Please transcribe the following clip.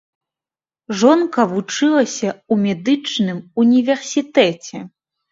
Жонка вучылася ў медычным універсітэце.